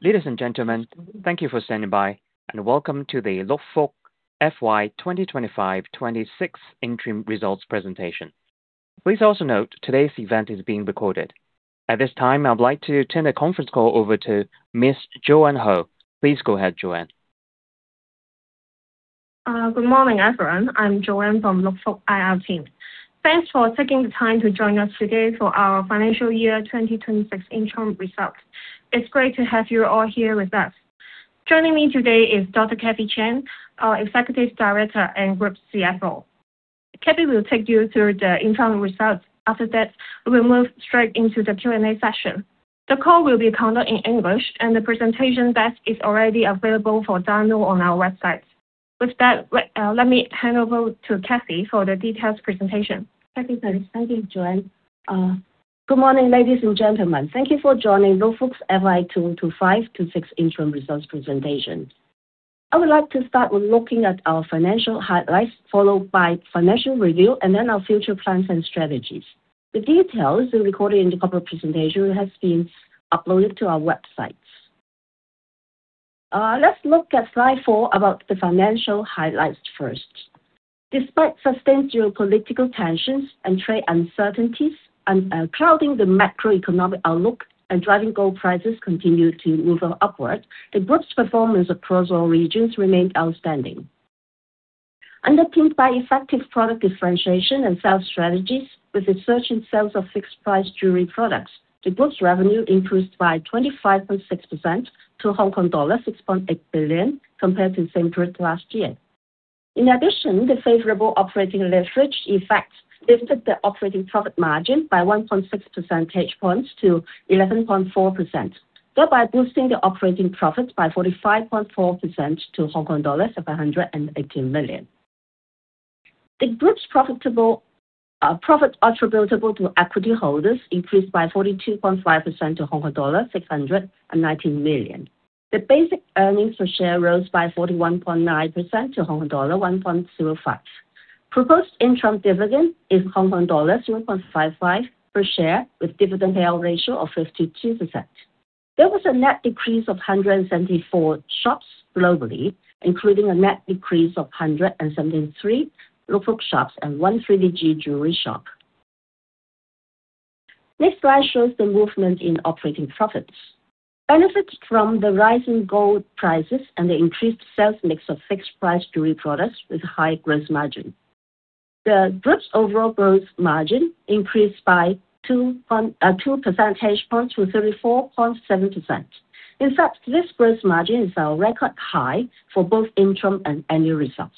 Ladies and gentlemen, thank you for standing by, and welcome to the Luk Fook FY 2025-2026 interim results presentation. Please also note today's event is being recorded. At this time, I'd like to turn the conference call over to Ms. Joanne Ho. Please go ahead, Joanne. Good morning, everyone. I'm Joanne from Luk Fook IR team. Thanks for taking the time to join us today for our financial year 2026 interim results. It's great to have you all here with us. Joining me today is Dr. Kathy Chan, our Executive Director and Group CFO. Kathy will take you through the interim results. After that, we will move straight into the Q&A session. The call will be conducted in English, and the presentation deck is already available for download on our website. With that, let me hand over to Kathy for the detailed presentation. Kathy, thanks. Thank you, Joanne. Good morning, ladies and gentlemen. Thank you for joining Luk Fook's FY 2025-2026 interim results presentation. I would like to start with looking at our financial highlights, followed by financial review, and then our future plans and strategies. The details recorded in the corporate presentation have been uploaded to our websites. Let's look at slide four about the financial highlights first. Despite sustained geopolitical tensions and trade uncertainties clouding the macroeconomic outlook and driving gold prices continue to move upward, the group's performance across all regions remained outstanding. Underpinned by effective product differentiation and sales strategies, with the surge in sales of fixed-price jewelry products, the group's revenue increased by 25.6% to Hong Kong dollar 6.8 billion compared to the same period last year. In addition, the favorable operating leverage effect lifted the operating profit margin by 1.6 percentage points to 11.4%, thereby boosting the operating profits by 45.4% to 518 million Hong Kong dollars. The group's profit attributable to equity holders increased by 42.5% to Hong Kong dollar 619 million. The basic earnings per share rose by 41.9% to Hong Kong dollar 1.05. Proposed interim dividend is Hong Kong dollar 0.55 per share, with dividend payout ratio of 52%. There was a net decrease of 174 shops globally, including a net decrease of 173 Luk Fook shops and one 3DG Jewelry shop. Next slide shows the movement in operating profits. Benefits from the rising gold prices and the increased sales mix of fixed-price jewelry products with high gross margin. The group's overall gross margin increased by 2 percentage points to 34.7%. In fact, this gross margin is our record high for both interim and annual results.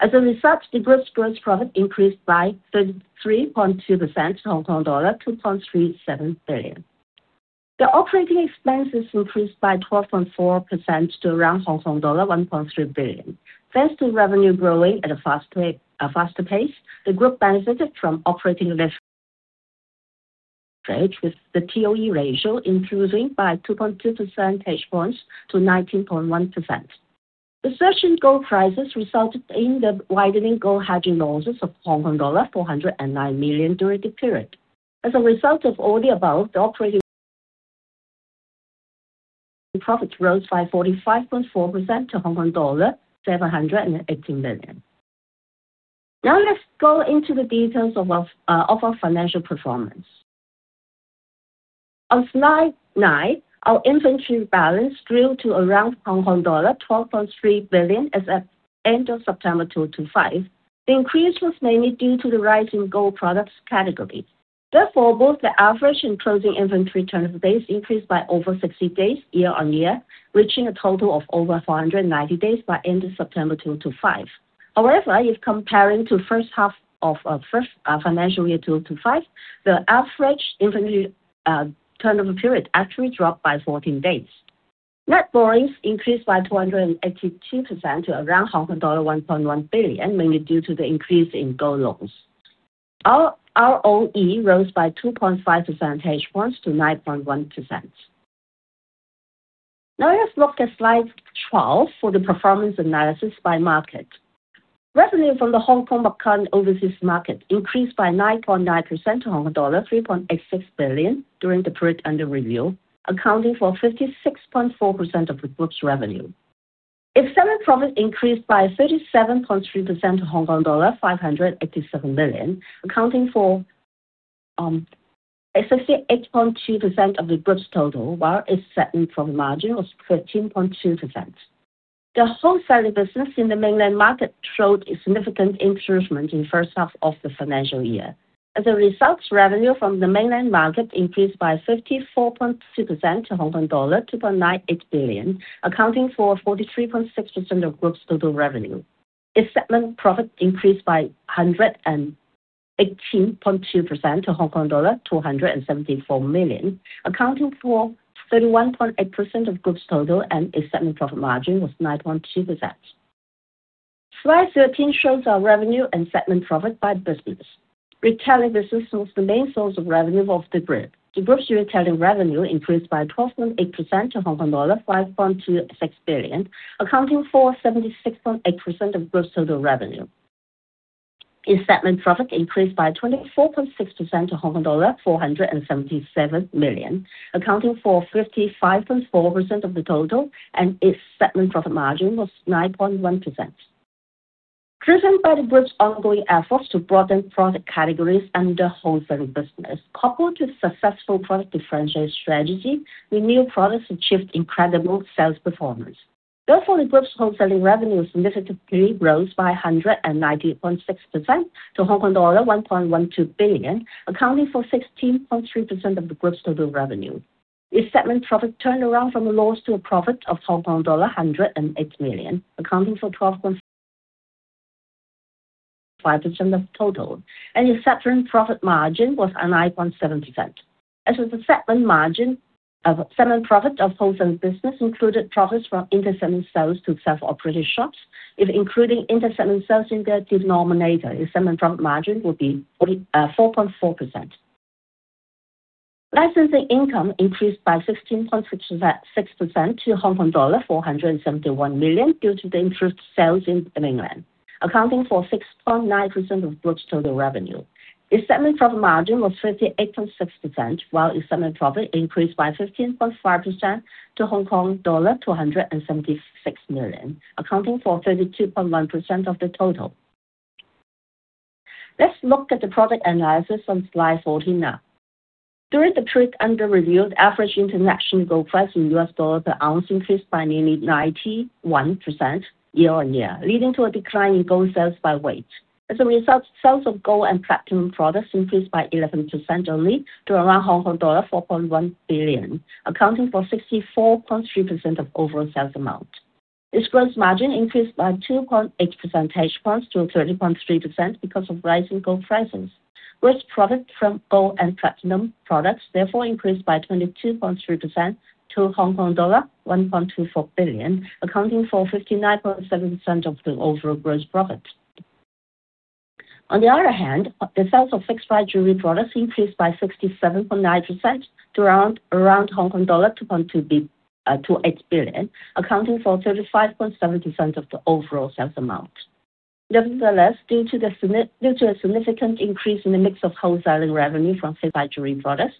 As a result, the group's gross profit increased by 33.2% to Hong Kong dollar 2.37 billion. The operating expenses increased by 12.4% to around Hong Kong dollar 1.3 billion. Thanks to revenue growing at a faster pace, the group benefited from operating leverage, with the TOE ratio improving by 2.2 percentage points to 19.1%. The surge in gold prices resulted in the widening gold hedging losses of Hong Kong dollar 409 million during the period. As a result of all the above, the operating profits rose by 45.4% to Hong Kong dollar 718 million. Now let's go into the details of our financial performance. On slide nine, our inventory balance grew to around Hong Kong dollar 12.3 billion as of end of September 2025. The increase was mainly due to the rising gold products category. Therefore, both the average and closing inventory turnover days increased by over 60 days year-on-year, reaching a total of over 490 days by end of September 2025. However, if comparing to the first half of the financial year 2025, the average inventory turnover period actually dropped by 14 days. Net borrowings increased by 282% to around Hong Kong dollar 1.1 billion, mainly due to the increase in gold loss. Our TOE rose by 2.5 percentage points to 9.1%. Now let's look at slide 12 for the performance analysis by market. Revenue from the Hong Kong/Macau/Overseas market increased by 9.9% to Hong Kong dollar 3.86 billion during the period under review, accounting for 56.4% of the group's revenue. Its selling profit increased by 37.3% to Hong Kong dollar 587 million, accounting for 68.2% of the group's total, while its selling profit margin was 13.2%. The wholesale business in the mainland market showed a significant improvement in the first half of the financial year. As a result, revenue from the mainland market increased by 54.2% to Hong Kong dollar 2.98 billion, accounting for 43.6% of the group's total revenue. Its selling profit increased by 118.2% to Hong Kong dollar 274 million, accounting for 31.8% of the group's total, and its selling profit margin was 9.2%. Slide 13 shows our revenue and selling profit by business. Retailing business was the main source of revenue of the group. The group's retailing revenue increased by 12.8% to Hong Kong dollar 5.26 billion, accounting for 76.8% of the group's total revenue. Its selling profit increased by 24.6% to Hong Kong dollar 477 million, accounting for 55.4% of the total, and its selling profit margin was 9.1%. Driven by the group's ongoing efforts to broaden product categories and the wholesale business, coupled with successful product differentiation strategies, renewed products achieved incredible sales performance. Therefore, the group's wholesale revenue significantly rose by 119.6% to Hong Kong dollar 1.12 billion, accounting for 16.3% of the group's total revenue. Its selling profit turned around from a loss to a profit of Hong Kong dollar 108 million, accounting for 12.5% of the total, and its selling profit margin was 9.7%. As for the selling profit of wholesale business, it included profits from interselling sales to self-operated shops. If including interselling sales in their denominator, its selling profit margin would be 4.4%. Licensing income increased by 16.6% to Hong Kong dollar 471 million due to the improved sales in the mainland, accounting for 6.9% of the group's total revenue. Its selling profit margin was 58.6%, while its selling profit increased by 15.5% to Hong Kong dollar 276 million, accounting for 32.1% of the total. Let's look at the product analysis on slide 14 now. During the period under review, the average international gold price in US dollars per ounce increased by nearly 91% year-on-year, leading to a decline in gold sales by weight. As a result, sales of gold and platinum products increased by 11% only to around Hong Kong dollar 4.1 billion, accounting for 64.3% of the overall sales amount. Its gross margin increased by 2.8 percentage points to 30.3% because of rising gold prices. Gross profit from gold and platinum products therefore increased by 22.3% to Hong Kong dollar 1.24 billion, accounting for 59.7% of the overall gross profit. On the other hand, the sales of fixed-price jewelry products increased by 67.9% to around Hong Kong dollar 2.28 billion, accounting for 35.7% of the overall sales amount. Nevertheless, due to a significant increase in the mix of wholesaling revenue from fixed-price jewelry products,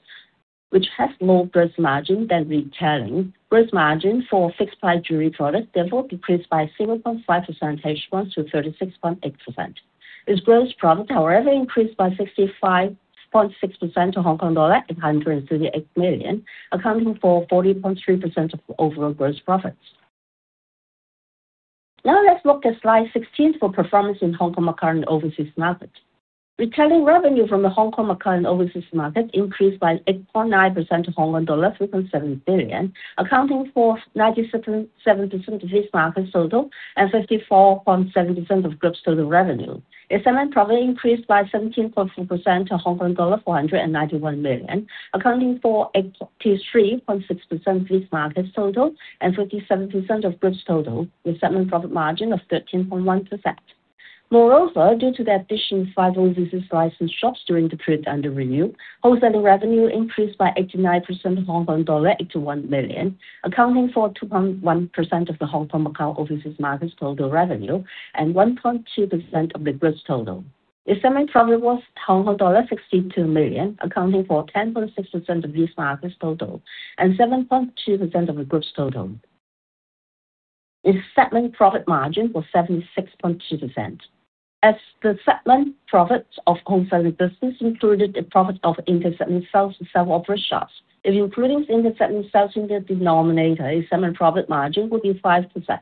which has lower gross margin than retailing, gross margin for fixed-price jewelry products therefore decreased by 0.5 percentage points to 36.8%. Its gross profit, however, increased by 65.6% to Hong Kong dollar 838 million, accounting for 40.3% of the overall gross profits. Now let's look at slide 16 for performance in the Hong Kong Macau Overseas Market. Retailing revenue from the Hong Kong Macau Overseas Market increased by 8.9% to 3.7 billion dollars, accounting for 97% of the market's total and 54.7% of the group's total revenue. Its selling profit increased by 17.4% to Hong Kong dollar 491 million, accounting for 83.6% of the market's total and 57% of the group's total, with a selling profit margin of 13.1%. Moreover, due to the addition of five overseas licensed shops during the period under review, wholesaling revenue increased by 89% to 81 million, accounting for 2.1% of the Hong Kong/Macau/Overseas market's total revenue and 1.2% of the group's total. Its selling profit was 62 million, accounting for 10.6% of the market's total and 7.2% of the group's total. Its selling profit margin was 76.2%. As the selling profit of wholesaling business included the profit of interselling sales to self-operated shops, if including interselling sales in their denominator, its selling profit margin would be 5%.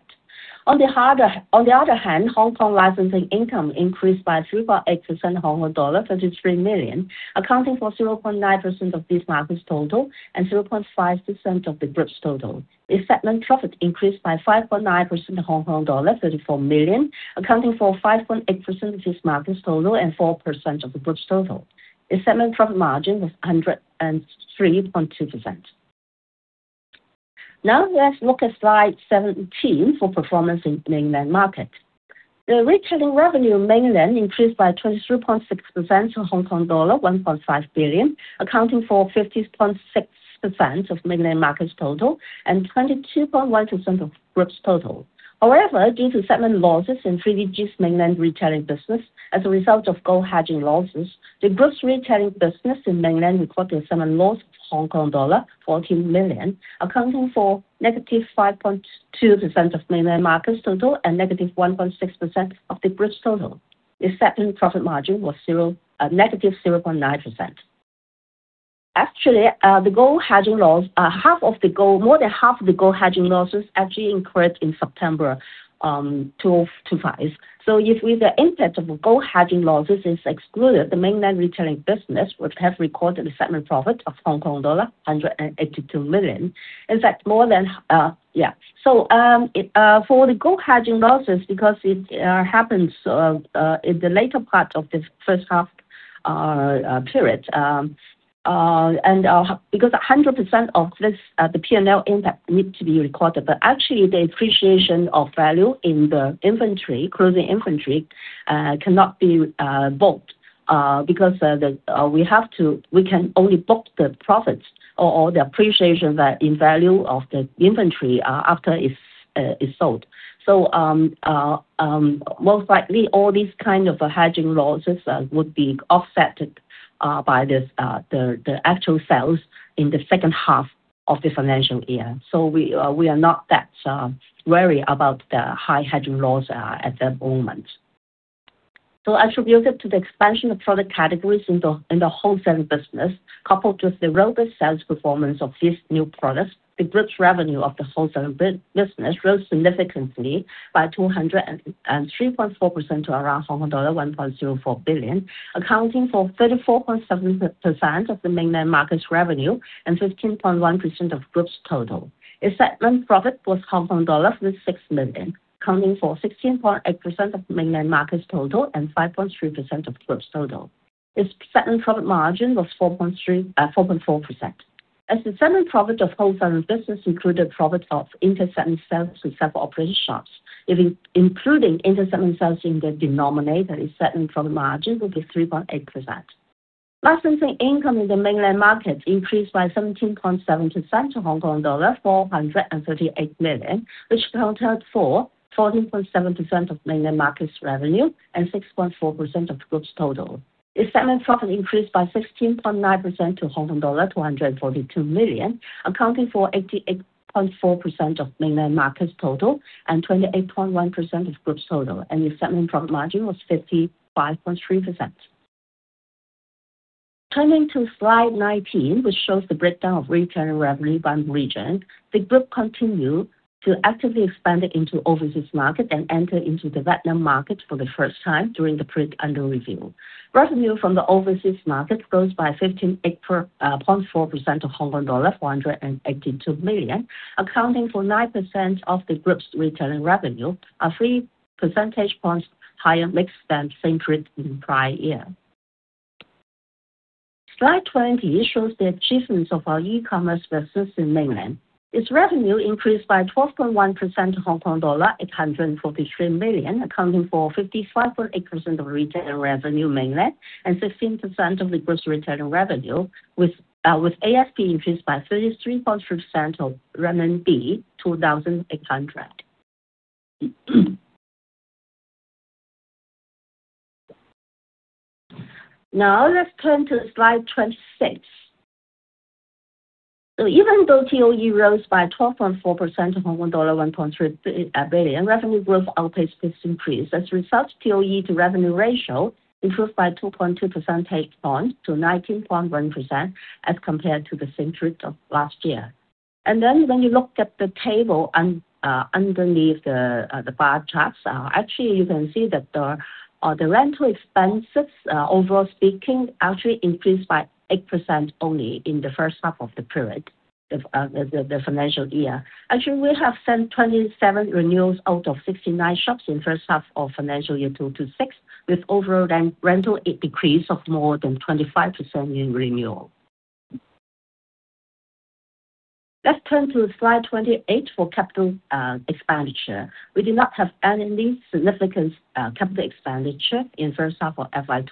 On the other hand, Hong Kong licensing income increased by 3.8% to 33 million, accounting for 0.9% of the market's total and 0.5% of the group's total. Its selling profit increased by 5.9% to Hong Kong dollar 34 million, accounting for 5.8% of the market's total and 4% of the group's total. Its selling profit margin was 103.2%. Now let's look at slide 17 for performance in the mainland market. The retailing revenue in the mainland increased by 23.6% to Hong Kong dollar 1.5 billion, accounting for 50.6% of the mainland market's total and 22.1% of the group's total. However, due to selling losses in 3DG's mainland retailing business as a result of gold hedging losses, the group's retailing business in the mainland recorded a selling loss of Hong Kong dollar 14 million, accounting for -5.2% of the mainland market's total and -1.6% of the group's total. Its selling profit margin was -0.9%. Actually, the gold hedging loss, more than half of the gold hedging losses actually incurred in September 2025. If the impact of gold hedging losses is excluded, the mainland retailing business would have recorded a selling profit of Hong Kong dollar 182 million. In fact, more than yeah. For the gold hedging losses, because it happens in the later part of the first half period, and because 100% of the P&L impact needs to be recorded, but actually the appreciation of value in the inventory, closing inventory, cannot be booked because we can only book the profits or the appreciation in value of the inventory after it's sold. Most likely, all these kinds of hedging losses would be offset by the actual sales in the second half of the financial year. We are not that wary about the high hedging loss at the moment. Attributed to the expansion of product categories in the wholesaling business, coupled with the robust sales performance of these new products, the group's revenue of the wholesaling business rose significantly by 203.4% to around Hong Kong dollar 1.04 billion, accounting for 34.7% of the mainland market's revenue and 15.1% of the group's total. Its selling profit was 36 million Hong Kong dollars, accounting for 16.8% of the mainland market's total and 5.3% of the group's total. Its selling profit margin was 4.4%. As the selling profit of wholesaling business included profits of interselling sales to self-operated shops, if including interselling sales in their denominator, its selling profit margin would be 3.8%. Licensing income in the mainland market increased by 17.7% to Hong Kong dollar 438 million, which accounted for 14.7% of the mainland market's revenue and 6.4% of the group's total. Its selling profit increased by 16.9% to Hong Kong dollar 242 million, accounting for 88.4% of the mainland market's total and 28.1% of the group's total, and its selling profit margin was 55.3%. Turning to slide 19, which shows the breakdown of retailing revenue by region, the group continued to actively expand into overseas markets and enter into the Vietnam market for the first time during the period under review. Revenue from the overseas markets rose by 15.4% to Hong Kong dollar 482 million, accounting for 9% of the group's retailing revenue, a 3 percentage points higher mix than the same period in the prior year. Slide 20 shows the achievements of our e-commerce business in mainland. Its revenue increased by 12.1% to Hong Kong dollar 843 million, accounting for 55.8% of retailing revenue mainland and 16% of the group's retailing revenue, with ASP increased by 33.3% to renminbi 2,800. Now let's turn to slide 26. Even though TOE rose by 12.4% to 1.3 billion, revenue growth outpaced its increase. As a result, TOE to revenue ratio improved by 2.2 percentage points to 19.1% as compared to the same period of last year. When you look at the table underneath the bar charts, actually you can see that the rental expenses, overall speaking, actually increased by 8% only in the first half of the period, the financial year. Actually, we have sent 27 renewals out of 69 shops in the first half of financial year 2026, with overall rental decrease of more than 25% in renewal. Let's turn to slide 28 for capital expenditure. We did not have any significant Capex in the first half of FY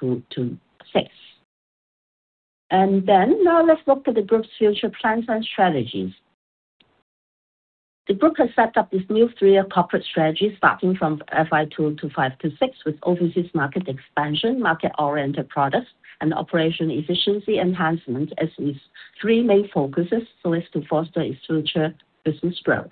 2026. Now let's look at the group's future plans and strategies. The group has set up this new three-year corporate strategy starting from FY 2025 to 2026 with overseas market expansion, market-oriented products, and operational efficiency enhancement as its three main focuses so as to foster its future business growth.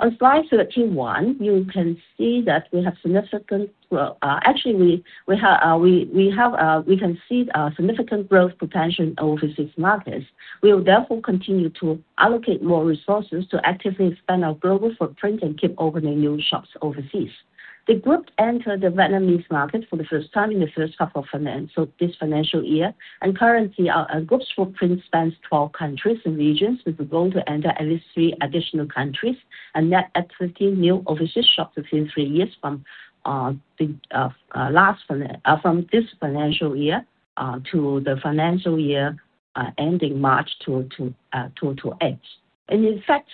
On slide 31, you can see that we have significant—actually, we have—we can see significant growth potential in overseas markets. We will therefore continue to allocate more resources to actively expand our global footprint and keep opening new shops overseas. The group entered the Vietnamese market for the first time in the first half of this financial year, and currently our group's footprint spans 12 countries and regions, with a goal to enter at least three additional countries and net activity new overseas shops within three years from this financial year to the financial year ending March 2028. In fact,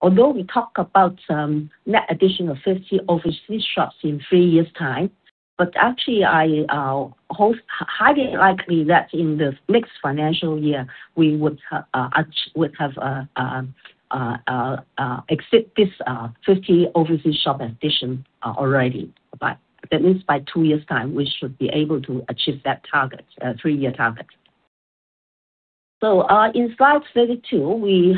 although we talk about net addition of 50 overseas shops in three years' time, actually I hold highly likely that in the next financial year we would have exceeded this 50 overseas shop addition already. At least by two years' time, we should be able to achieve that target, three-year target. In slide 32,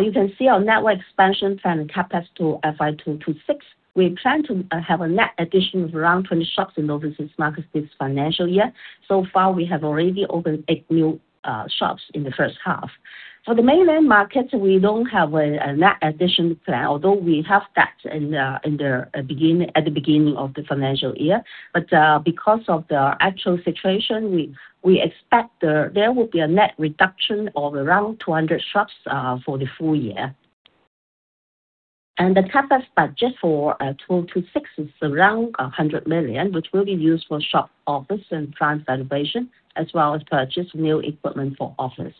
you can see our network expansion plan and CapEx to FY 2026. We plan to have a net addition of around 20 shops in overseas markets this financial year. So far, we have already opened eight new shops in the first half. For the mainland markets, we do not have a net addition plan, although we had that at the beginning of the financial year. Because of the actual situation, we expect there will be a net reduction of around 200 shops for the full year. The Capex budget for 2026 is around 100 million, which will be used for shop, office, and plant renovation, as well as purchase of new equipment for office.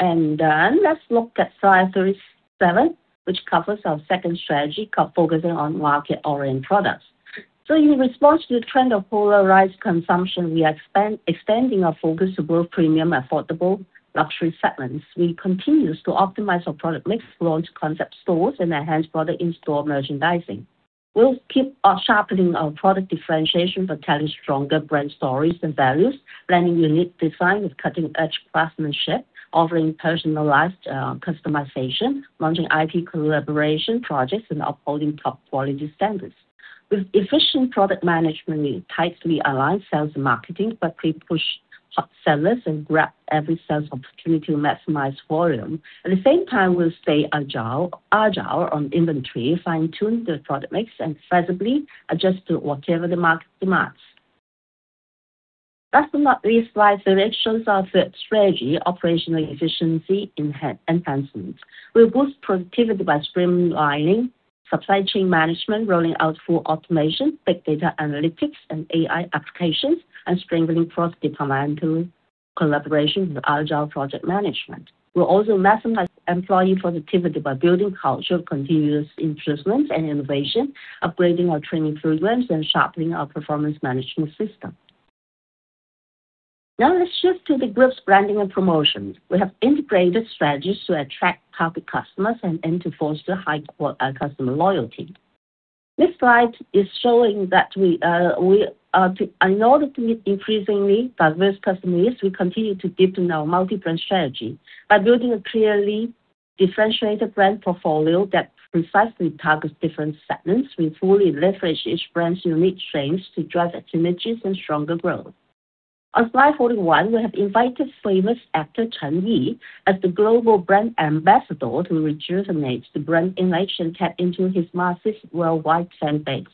Let's look at slide 37, which covers our second strategy focusing on market-oriented products. In response to the trend of polarized consumption, we are extending our focus to both premium, affordable, luxury segments. We continue to optimize our product mix, launch concept stores, and enhance product in-store merchandising. We'll keep sharpening our product differentiation for telling stronger brand stories and values, blending unique design with cutting-edge craftsmanship, offering personalized customization, launching IP collaboration projects, and upholding top quality standards. With efficient product management, we tightly align sales and marketing for pre-push sellers and grab every sales opportunity to maximize volume. At the same time, we'll stay agile on inventory, fine-tune the product mix, and feasibly adjust to whatever the market demands. Last but not least, slide 38 shows our third strategy, operational efficiency enhancement. We'll boost productivity by streamlining supply chain management, rolling out full automation, big data analytics, and AI applications, and strengthening cross-departmental collaboration with agile project management. We'll also maximize employee productivity by building culture, continuous improvement and innovation, upgrading our training programs, and sharpening our performance management system. Now let's shift to the group's branding and promotion. We have integrated strategies to attract target customers and to foster high customer loyalty. This slide is showing that in order to meet increasingly diverse customer needs, we continue to deepen our multi-brand strategy by building a clearly differentiated brand portfolio that precisely targets different segments. We fully leverage each brand's unique strengths to drive synergies and stronger growth. On slide 41, we have invited famous actor Chan Yi as the global brand ambassador to rejuvenate the brand innovation cap into his massive worldwide fan base.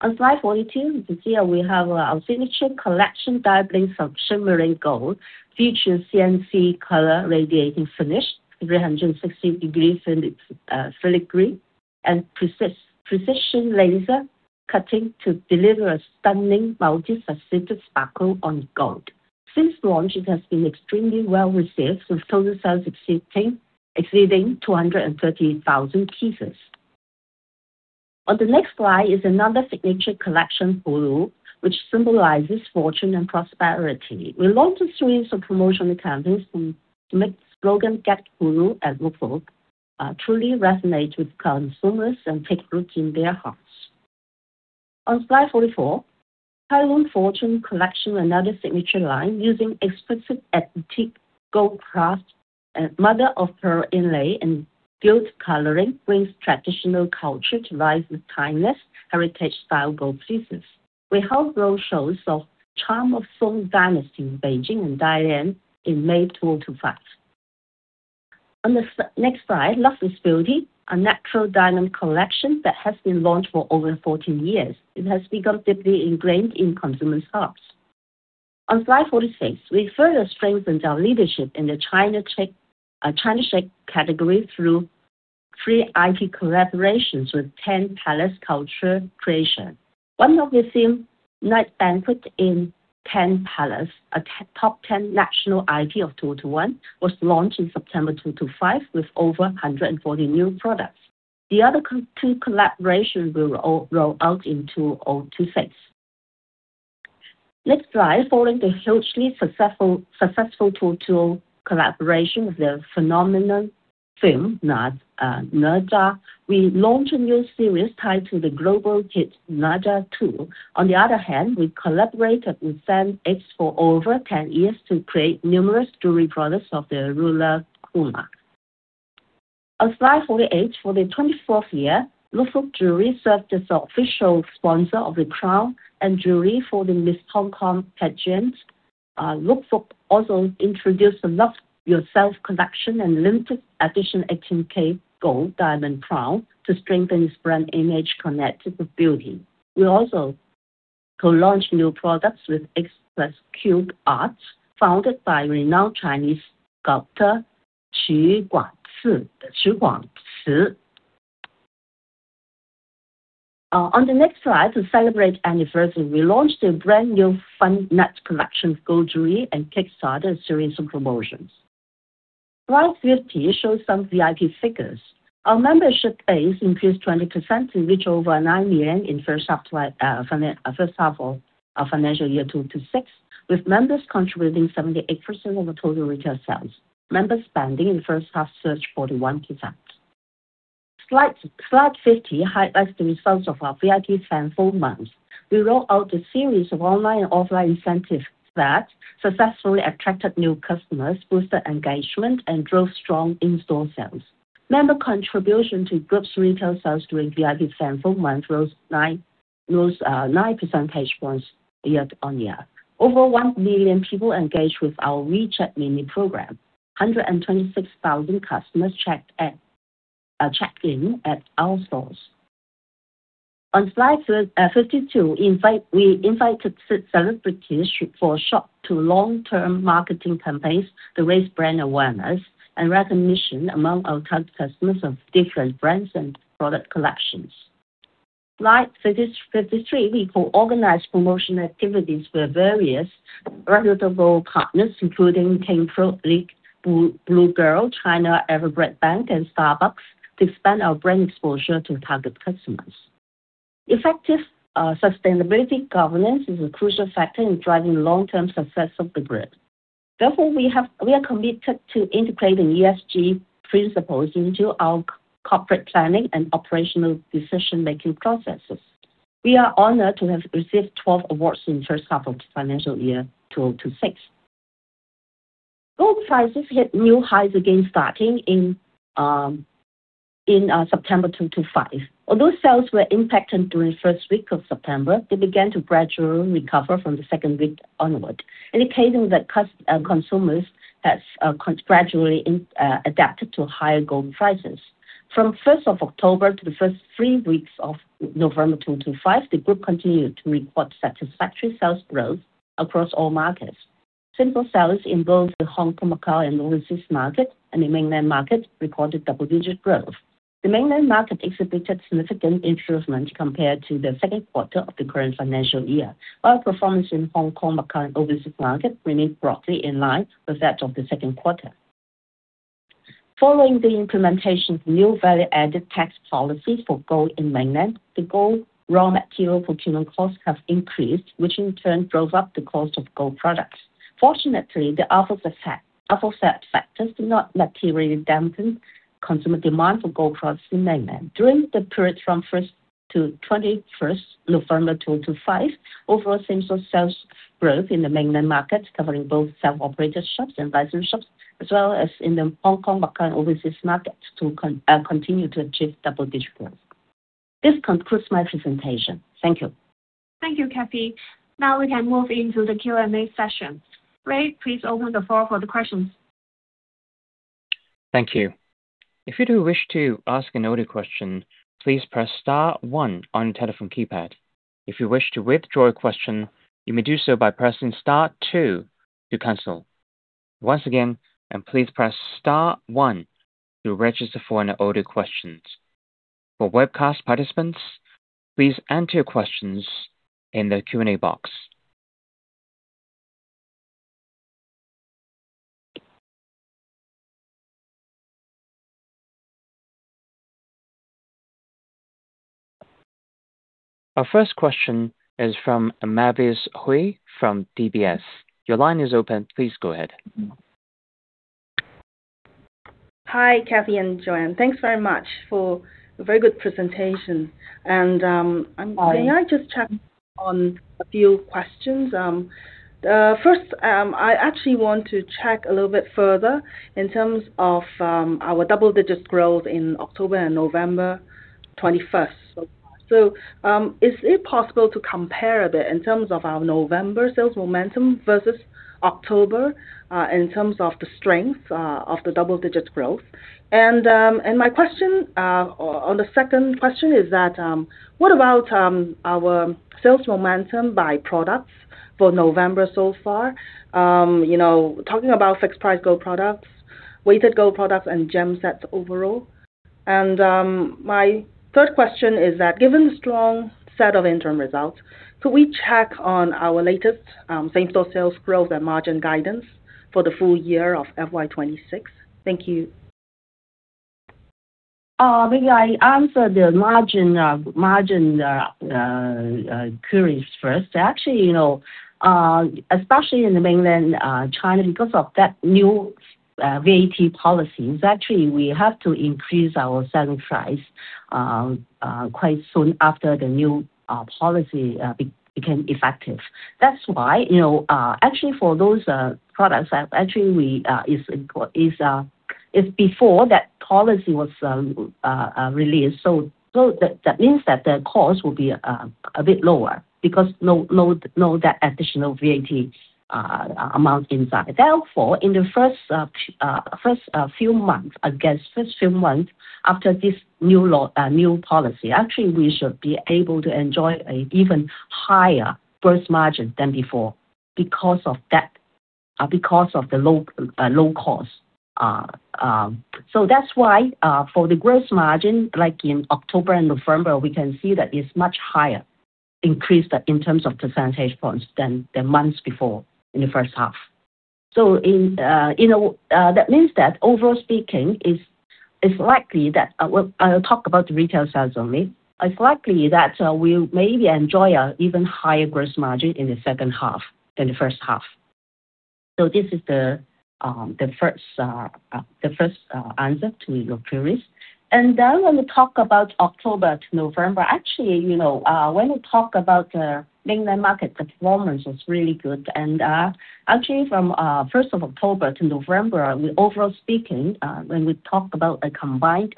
On slide 42, here we have our signature collection, Dive Bling, Sunshine, Marine Gold, featuring CNC color radiating finish, 360-degree silic green, and precision laser cutting to deliver a stunning multifaceted sparkle on gold. Since launch, it has been extremely well received, with total sales exceeding 230,000 pieces. On the next slide is another signature collection, Hulu, which symbolizes fortune and prosperity. We launched a series of promotional campaigns to make the slogan "Get Hulu" and "Luk Fook" truly resonate with consumers and take root in their hearts. On slide 44, Tai Lung Fortune Collection, another signature line using exquisite antique gold craft, mother-of-pearl inlay and gilt coloring, brings traditional culture to life with timeless heritage-style gold pieces. We held roadshows of the charm of Song Dynasty in Beijing and Dalian in May 2025. On the next slide, Luxus Beauty, a natural diamond collection that has been launched for over 14 years. It has become deeply ingrained in consumers' hearts. On slide 46, we further strengthened our leadership in the China Sheikh category through three IP collaborations with Ten Palace Culture Creation. One of the themes, Night Banquet in Ten Palace, a top 10 national IP of 2021, was launched in September 2025 with over 140 new products. The other two collaborations will roll out in 2026. Next slide, following the hugely successful 2022 collaboration with the phenomenal film, Nezha, we launched a new series tied to the global hit Nezha 2. On the other hand, we collaborated with Zen X for over 10 years to create numerous jewelry products of the ruler Kuna. On slide 48, for the 24th year, Luk Fook Jewelry served as the official sponsor of the crown and jewelry for the Miss Hong Kong pageant. Luk Fook also introduced the Love Yourself Collection and limited edition 18K gold diamond crown to strengthen its brand image connected with beauty. We also co-launched new products with X Plus Cube Arts, founded by renowned Chinese sculptor Qi Guangci. On the next slide, to celebrate the anniversary, we launched a brand new Fun Nuts Collection for gold jewelry and kickstarted a series of promotions. Slide 50 shows some VIP figures. Our membership base increased 20%, reached over 9 million in the first half of financial year 2026, with members contributing 78% of the total retail sales. Member spending in the first half surged 41%. Slide 50 highlights the results of our VIP Fanful Month. We rolled out a series of online and offline incentives that successfully attracted new customers, boosted engagement, and drove strong in-store sales. Member contributions to group’s retail sales during VIP Fanful Month rose 9% points year on year. Over 1 million people engaged with our WeChat mini program. 126,000 customers checked in at our stores. On slide 52, we invited celebrities for short to long-term marketing campaigns to raise brand awareness and recognition among our customers of different brands and product collections. Slide 53, we co-organized promotional activities with various reputable partners, including King Pro League, Blue Girl, China Evergrande Bank, and Starbucks, to expand our brand exposure to target customers. Effective sustainability governance is a crucial factor in driving long-term success of the group. Therefore, we are committed to integrating ESG principles into our corporate planning and operational decision-making processes. We are honored to have received 12 awards in the first half of the financial year 2026. Gold prices hit new highs again starting in September 2025. Although sales were impacted during the first week of September, they began to gradually recover from the second week onward, indicating that consumers had gradually adapted to higher gold prices. From 1st October to the first three weeks of November 2025, the group continued to record satisfactory sales growth across all markets. Simple sales in both the Hong Kong Macau and overseas market and the mainland market recorded double-digit growth. The mainland market exhibited significant improvement compared to the second quarter of the current financial year, while performance in Hong Kong Macau and overseas market remained broadly in line with that of the second quarter. Following the implementation of new value-added tax policies for gold in mainland, the gold raw material procurement costs have increased, which in turn drove up the cost of gold products. Fortunately, the upper set factors did not materially dampen consumer demand for gold products in mainland. During the period from 1 to 21 November 2025, overall simple sales growth in the mainland markets, covering both self-operated shops and licensed shops, as well as in the Hong Kong Macau and overseas markets, continued to achieve double-digit growth. This concludes my presentation. Thank you. Thank you, Kathy. Now we can move into the Q&A session. Ray, please open the floor for the questions. Thank you. If you do wish to ask an audio question, please press star one on your telephone keypad. If you wish to withdraw a question, you may do so by pressing star two to cancel. Once again, please press star one to register for an audio question. For webcast participants, please enter your questions in the Q&A box. Our first question is from Mavis Hui from DBS. Your line is open. Please go ahead. Hi, Kathy and Joanne. Thanks very much for a very good presentation. May I just check on a few questions? First, I actually want to check a little bit further in terms of our double-digit growth in October and November 21st. Is it possible to compare a bit in terms of our November sales momentum versus October in terms of the strength of the double-digit growth? My question on the second question is what about our sales momentum by products for November so far? Talking about fixed-price gold products, weighted gold products, and gem sets overall. My third question is that given the strong set of interim results, could we check on our latest simple sales growth and margin guidance for the full year of FY 2026? Thank you. Maybe I answer the margin queries first. Actually, especially in mainland China, because of that new VAT policy, we have to increase our selling price quite soon after the new policy became effective. That is why for those products, it is before that policy was released. That means that the cost will be a bit lower because no additional VAT amount inside. Therefore, in the first few months, I guess, first few months after this new policy, we should be able to enjoy an even higher gross margin than before because of the low cost. That's why for the gross margin, like in October and November, we can see that it's much higher increased in terms of percentage points than the months before in the first half. That means that overall speaking, I'll talk about the retail sales only. It's likely that we maybe enjoy an even higher gross margin in the second half than the first half. This is the first answer to your queries. Then when we talk about October to November, actually when we talk about the mainland market, the performance was really good. Actually from 1st October to November, overall speaking, when we talk about a combined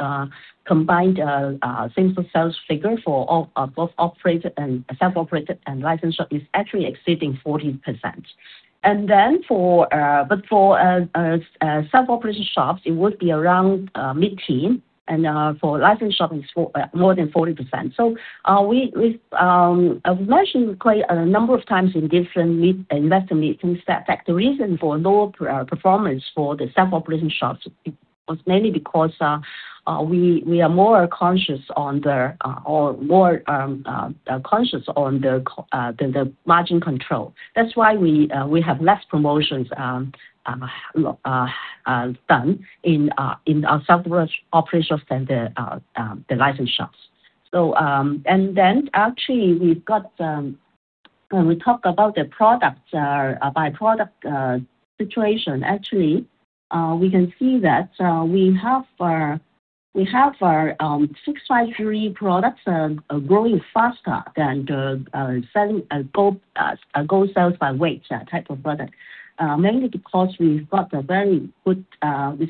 simple sales figure for both self-operated and licensed shop, it's actually exceeding 40%. For self-operated shops, it would be around mid-teen, and for licensed shop, it's more than 40%. We mentioned quite a number of times in different investor meetings that the reason for lower performance for the self-operating shops was mainly because we are more conscious on the margin control. That's why we have less promotions done in our self-operating shops than the licensed shops. Actually, when we talk about the product by product situation, we can see that we have our fixed-price jewelry products growing faster than the gold sales by weight type of product, mainly because we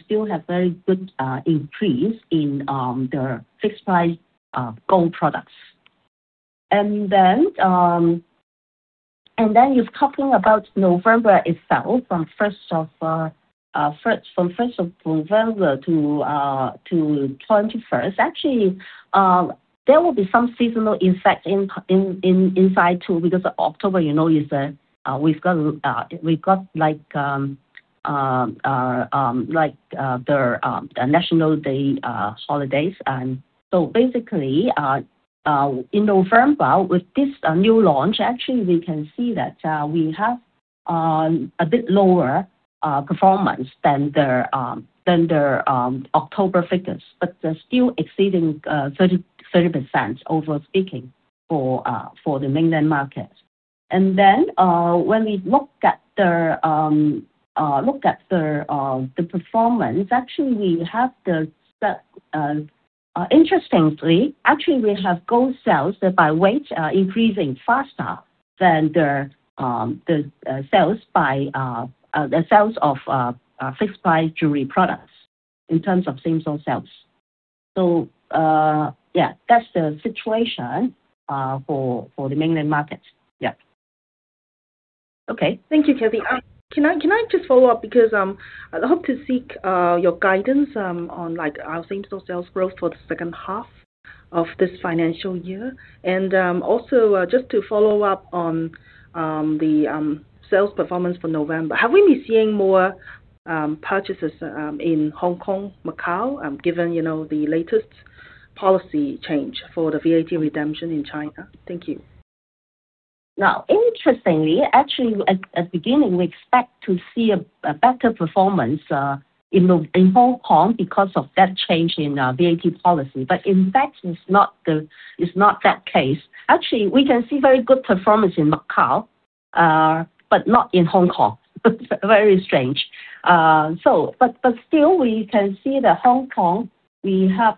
still have very good increase in the fixed-price gold products. Then you're talking about November itself, from 1st November to 21st, actually there will be some seasonal effect inside too because of October, we have the National Day holidays. Basically in November, with this new launch, actually we can see that we have a bit lower performance than the October figures, but still exceeding 30% overall speaking for the mainland market. When we look at the performance, actually we have, interestingly, actually we have gold sales by weight increasing faster than the sales of fixed-price jewelry products in terms of simple sales. Yeah, that's the situation for the mainland markets. Yeah. Okay. Thank you, Kathy. Can I just follow up because I hope to seek your guidance on our simple sales growth for the second half of this financial year? Also, just to follow up on the sales performance for November, have we been seeing more purchases in Hong Kong Macau given the latest policy change for the VAT redemption in China? Thank you. Now, interestingly, actually at the beginning, we expect to see a better performance in Hong Kong because of that change in VAT policy. In fact, it's not that case. Actually, we can see very good performance in Macau, but not in Hong Kong. Very strange. Still, we can see that Hong Kong, we have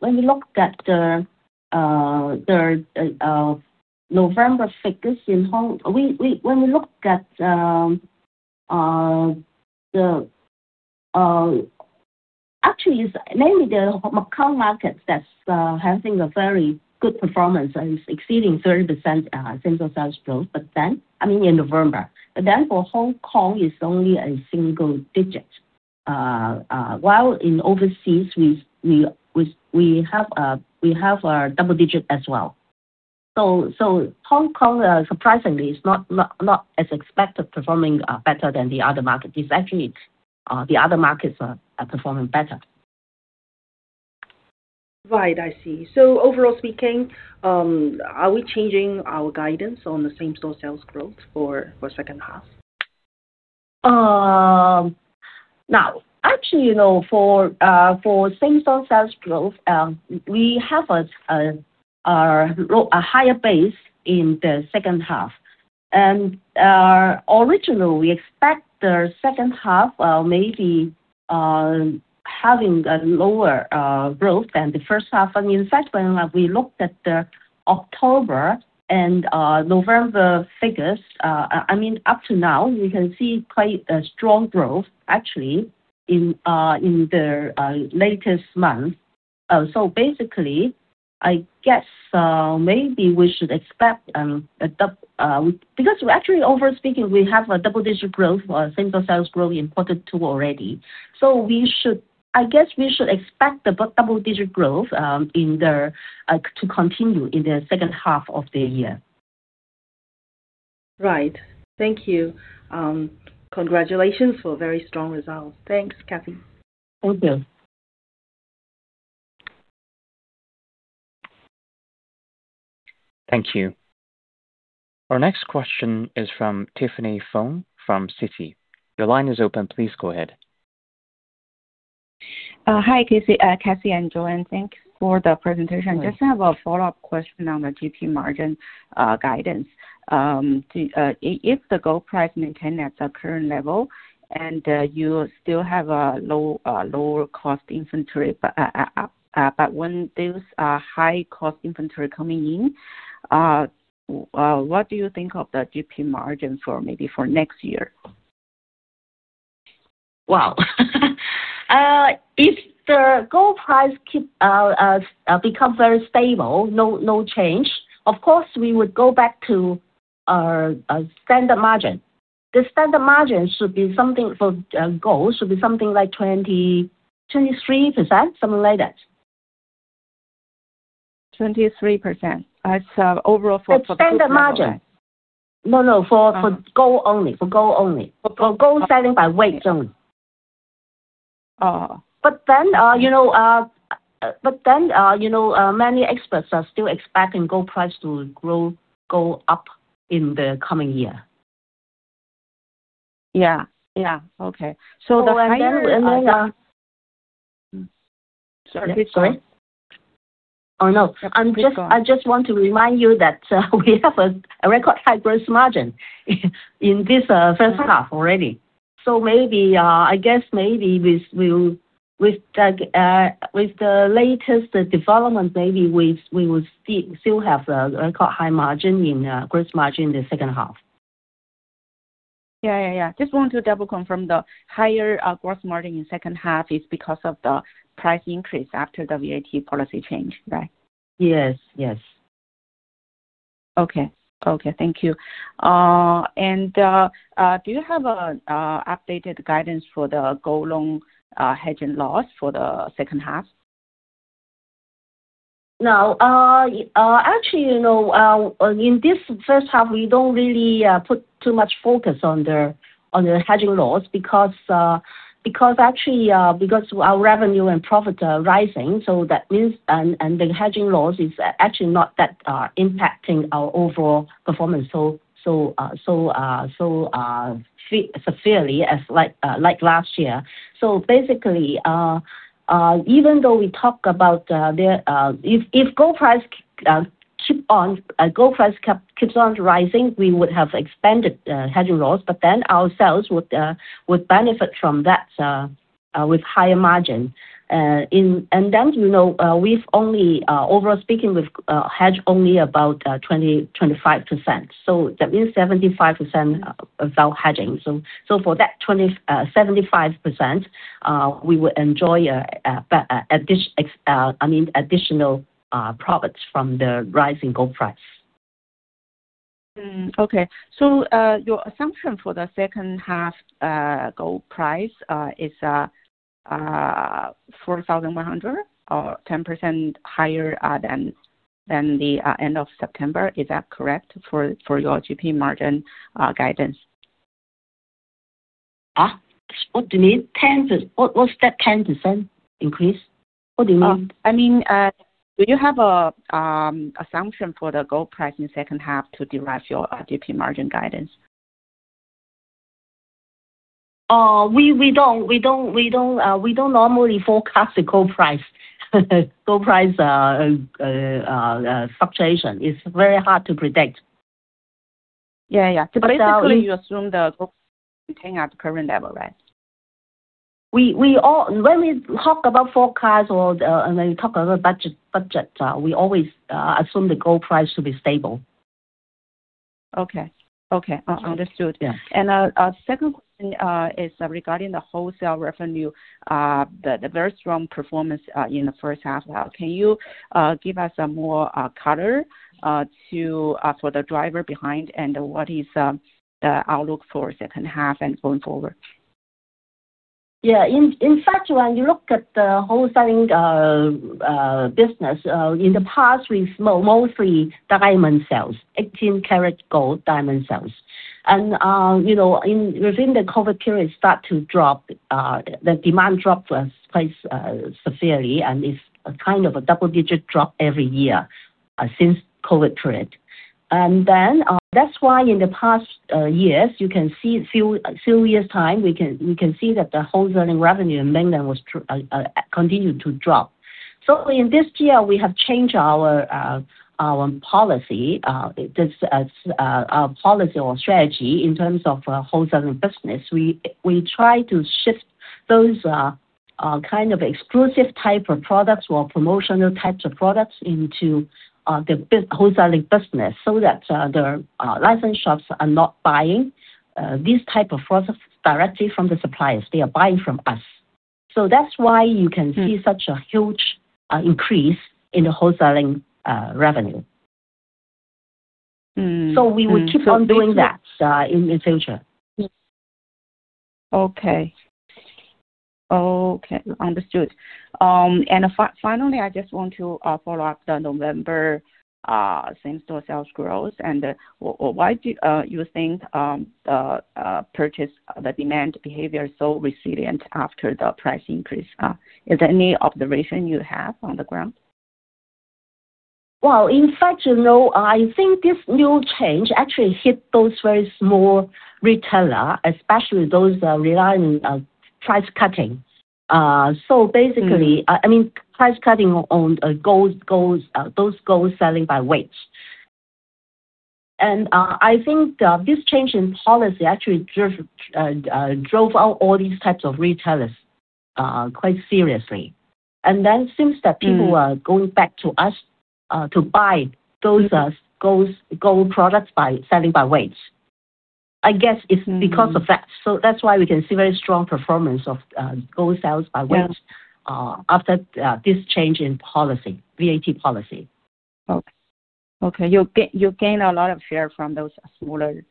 when we look at the November figures in Hong Kong, when we look at the actually it's mainly the Macau market that's having a very good performance and it's exceeding 30% simple sales growth, I mean in November. For Hong Kong, it's only a single digit. While in overseas, we have a double digit as well. Hong Kong, surprisingly, is not as expected performing better than the other markets. It's actually the other markets are performing better. Right. I see. Overall speaking, are we changing our guidance on the simple sales growth for the second half? Actually, for simple sales growth, we have a higher base in the second half. Originally, we expect the second half maybe having a lower growth than the first half. I mean, in fact, when we looked at the October and November figures, I mean, up to now, we can see quite a strong growth actually in the latest month. Basically, I guess maybe we should expect because actually, overall speaking, we have a double-digit growth, simple sales growth reported too already. I guess we should expect the double-digit growth to continue in the second half of the year. Right. Thank you. Congratulations for very strong results. Thanks, Kathy. Thank you. Thank you. Our next question is from Tiffany Feng from Citi. Your line is open. Please go ahead. Hi, Kathy and Joanne. Thanks for the presentation. Just have a follow-up question on the GP margin guidance. If the gold price maintained at the current level and you still have a lower cost inventory, but when this high cost inventory coming in, what do you think of the GP margin for maybe for next year? Wow. If the gold price becomes very stable, no change, of course, we would go back to standard margin. The standard margin should be something for gold should be something like 23%, something like that. 23%. That's overall for gold. It's standard margin. No, no, for gold only. For gold only. For gold selling by weight only. But then many experts are still expecting gold price to grow up in the coming year. Yeah. Yeah. Okay. So the higher sorry, please go ahead. Oh, no. I just want to remind you that we have a record high gross margin in this first half already. I guess maybe with the latest development, maybe we will still have a record high margin in gross margin in the second half. Yeah, yeah, yeah. Just want to double confirm the higher gross margin in second half is because of the price increase after the VAT policy change, right? Yes, yes. Okay. Okay. Thank you. Do you have an updated guidance for the gold loan hedging loss for the second half? No. Actually, in this first half, we do not really put too much focus on the hedging loss because actually our revenue and profit are rising. That means the hedging loss is actually not that impacting our overall performance so severely as like last year. Basically, even though we talk about if gold price keeps on rising, we would have expanded the hedging loss, but then our sales would benefit from that with higher margin. Then we've only, overall speaking, we've hedged only about 25%. That means 75% without hedging. For that 75%, we would enjoy, I mean, additional profits from the rising gold price. Okay. Your assumption for the second half gold price is 4,100 or 10% higher than the end of September. Is that correct for your GP margin guidance? What do you mean? What's that 10% increase? What do you mean? I mean, do you have an assumption for the gold price in second half to derive your GP margin guidance? We don't. We don't normally forecast the gold price fluctuation. It's very hard to predict. Yeah, yeah. Typically, you assume the gold maintain at the current level, right? When we talk about forecast or when we talk about budget, we always assume the gold price to be stable. Okay. Okay. Understood. Our second question is regarding the wholesale revenue, the very strong performance in the first half. Can you give us more color for the driver behind and what is the outlook for second half and going forward? Yeah. In fact, when you look at the wholesaling business, in the past, we mostly diamond sales, 18-karat gold diamond sales. Within the COVID period, it started to drop. The demand dropped quite severely, and it is kind of a double-digit drop every year since COVID period. That is why in the past years, you can see a few years' time, we can see that the wholesaling revenue in mainland continued to drop. In this year, we have changed our policy, our policy or strategy in terms of wholesaling business. We try to shift those kind of exclusive type of products or promotional types of products into the wholesaling business so that the licensed shops are not buying these types of products directly from the suppliers. They are buying from us. That is why you can see such a huge increase in the wholesaling revenue. We will keep on doing that in the future. Okay. Understood. Finally, I just want to follow up the November simple sales growth. Why do you think the purchase demand behavior is so resilient after the price increase? Is there any observation you have on the ground? In fact, I think this new change actually hit those very small retailers, especially those relying on price cutting. Basically, I mean, price cutting on those gold selling by weight. I think this change in policy actually drove out all these types of retailers quite seriously. Since that, people are going back to us to buy those gold products by selling by weight. I guess it's because of that. That's why we can see very strong performance of gold sales by weight after this change in policy, VAT policy. Okay. You gain a lot of share from those smaller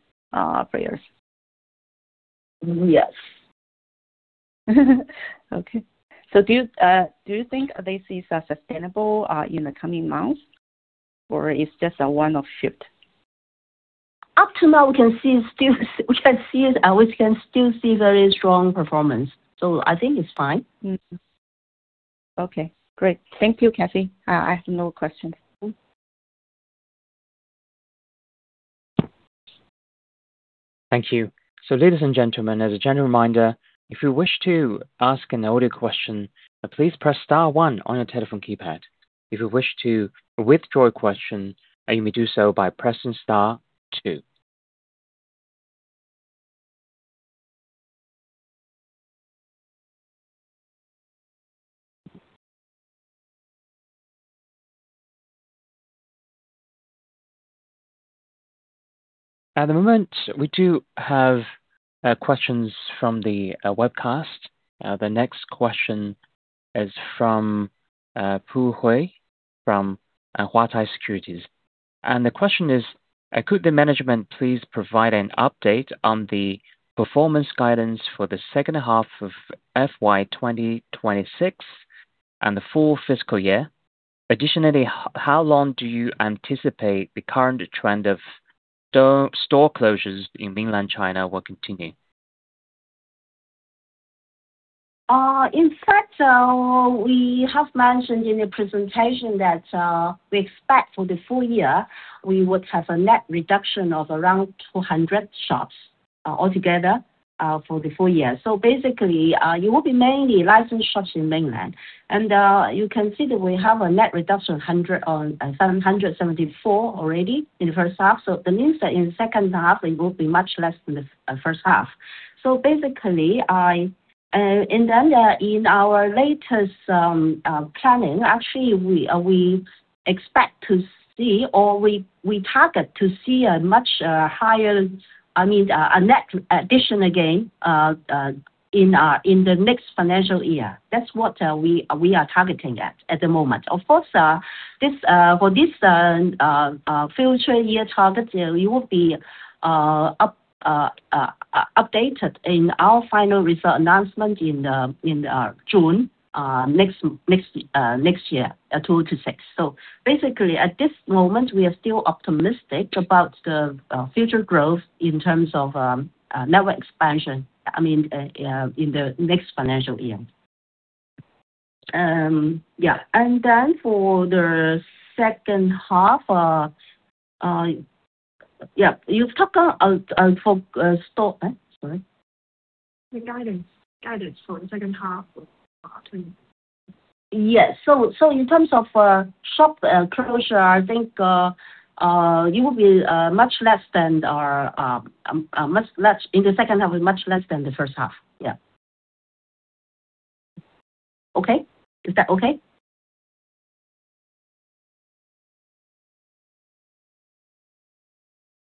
players. Yes. Do you think this is sustainable in the coming months, or it's just a one-off shift? Up to now, we can still see very strong performance. I think it's fine. Great. Thank you, Kathy. I have no questions. Thank you. Ladies and gentlemen, as a general reminder, if you wish to ask an audio question, please press star one on your telephone keypad. If you wish to withdraw a question, you may do so by pressing star two. At the moment, we do have questions from the webcast. The next question is from Pu Hui from Huatai Securities. The question is, could the management please provide an update on the performance guidance for the second half of FY 2026 and the full fiscal year? Additionally, how long do you anticipate the current trend of store closures in mainland China will continue? In fact, we have mentioned in the presentation that we expect for the full year, we would have a net reduction of around 200 shops altogether for the full year. It will be mainly licensed shops in mainland. You can see that we have a net reduction of 774 already in the first half. That means that in the second half, it will be much less than the first half. Basically, in our latest planning, actually, we expect to see or we target to see a much higher, I mean, a net addition again in the next financial year. That is what we are targeting at the moment. Of course, for this future year target, it will be updated in our final result announcement in June next year, 2026. Basically, at this moment, we are still optimistic about the future growth in terms of network expansion, I mean, in the next financial year. Yeah. For the second half, yeah, you have talked about store, sorry. The guidance for the second half of 2022. Yes. In terms of shop closure, I think it will be much less in the second half, much less than the first half. Yeah. Okay? Is that okay?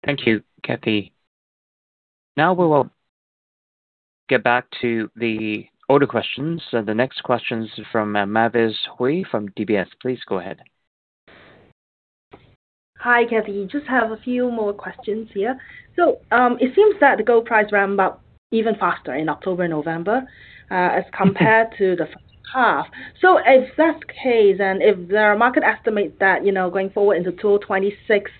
Thank you, Kathy. Now we will get back to the audio questions. The next question is from Mavis Hui from DBS. Please go ahead. Hi, Kathy. Just have a few more questions here. It seems that the gold price ran up even faster in October and November as compared to the first half. If that's the case, and if there are market estimates that going forward into 2026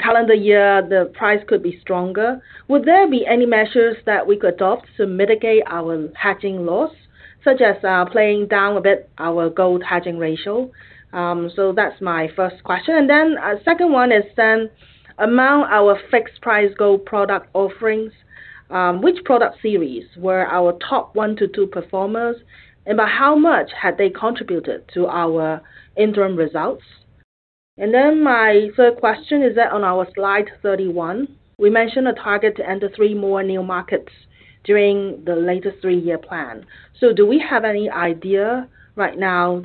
calendar year, the price could be stronger, would there be any measures that we could adopt to mitigate our hedging loss, such as playing down a bit our gold hedging ratio? That's my first question. The second one is, among our fixed-price gold product offerings, which product series were our top one to two performers, and by how much had they contributed to our interim results? My third question is that on our slide 31, we mentioned a target to enter three more new markets during the latest three-year plan. Do we have any idea right now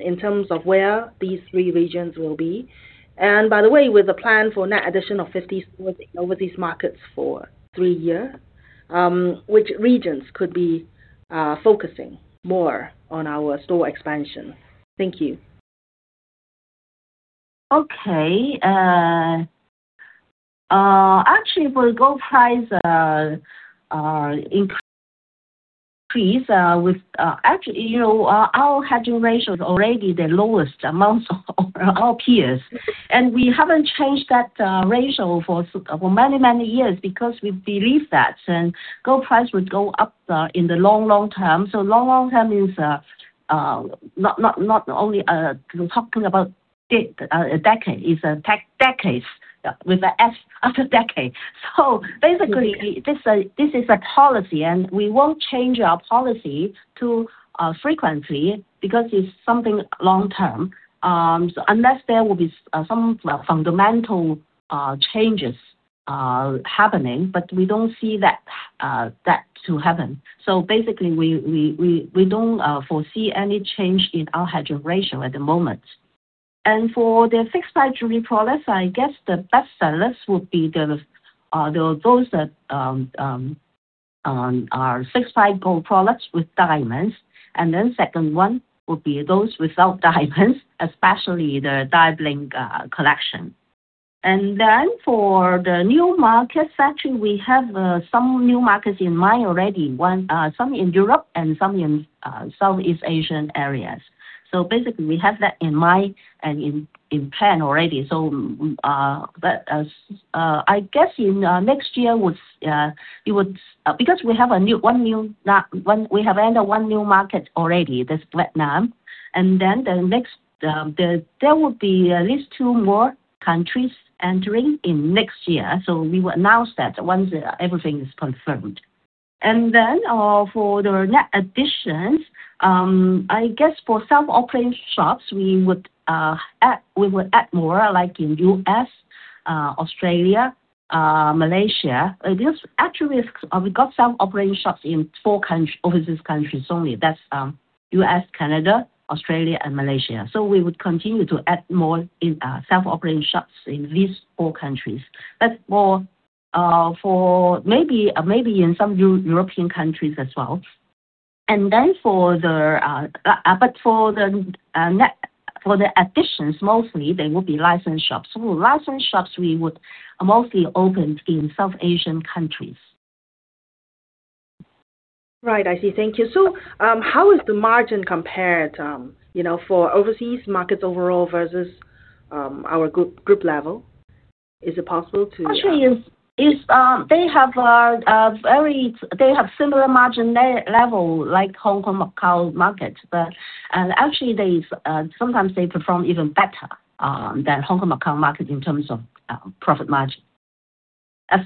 in terms of where these three regions will be? By the way, with the plan for net addition of 50 stores in overseas markets for three years, which regions could be focusing more on our store expansion? Thank you. Actually, for gold price increase, our hedging ratio is already the lowest amongst all peers. We have not changed that ratio for many, many years because we believe that gold price would go up in the long, long-term. Long-term is not only talking about a decade, it's decades with an S after decade. Basically, this is a policy, and we won't change our policy too frequently because it's something long-term, unless there will be some fundamental changes happening, but we don't see that to happen. We don't foresee any change in our hedging ratio at the moment. For the fixed-price reproduction, I guess the best sellers would be those that are fixed-price gold products with diamonds. The second one would be those without diamonds, especially the Dive Bling collection. For the new markets, actually, we have some new markets in mind already, some in Europe and some in Southeast Asian areas. Basically, we have that in mind and in plan already. I guess in next year, it would because we have one new we have entered one new market already, that's Vietnam. There will be at least two more countries entering in next year. We will announce that once everything is confirmed. For the net additions, I guess for self-operating shops, we would add more like in the U.S., Australia, Malaysia. Actually, we've got self-operating shops in four overseas countries only. That's U.S., Canada, Australia, and Malaysia. We would continue to add more self-operating shops in these four countries, maybe in some European countries as well. For the additions, mostly, they will be licensed shops. For licensed shops, we would mostly open in South Asian countries. Right. I see. Thank you. How is the margin compared for overseas markets overall versus our group level? Is it possible to? Actually, they have a very they have similar margin level like Hong Kong market. Actually, sometimes they perform even better than Hong Kong market in terms of profit margin.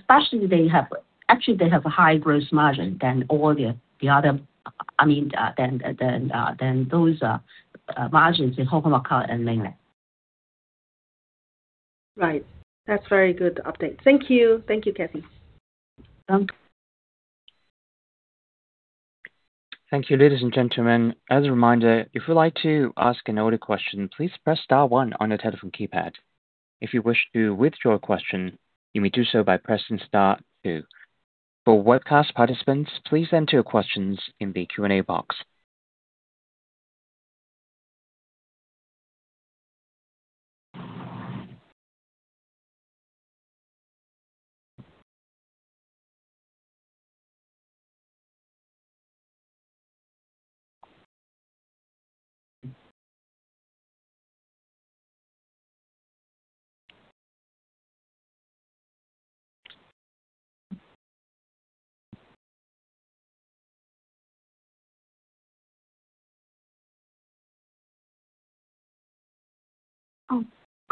Actually, they have a higher gross margin than all the other, I mean, than those margins in Hong Kong market and mainland. Right. That is very good update. Thank you. Thank you, Kathy. Thank you, ladies and gentlemen. As a reminder, if you'd like to ask an audio question, please press star one on your telephone keypad. If you wish to withdraw a question, you may do so by pressing star two. For webcast participants, please enter your questions in the Q&A box.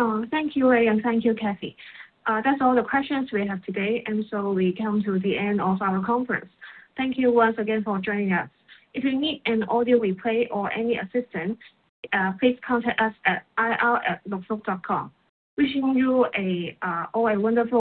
Oh, thank you, Ray. Thank you, Kathy. That is all the questions we have today. We come to the end of our conference. Thank you once again for joining us. If you need an audio replay or any assistance, please contact us at ir@lukfook.com. Wishing you all a wonderful.